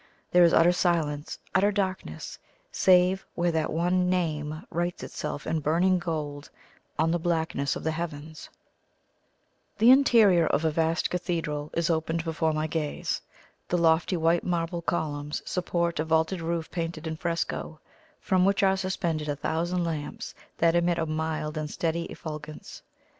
There is utter silence, utter darkness, save where that one NAME writes itself in burning gold on the blackness of the heavens. The interior of a vast cathedral is opened before my gaze. The lofty white marble columns support a vaulted roof painted in fresco, from which are suspended a thousand lamps that emit a mild and steady effulgence.